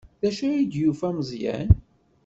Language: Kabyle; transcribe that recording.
D acu ay d-yufa Meẓyan?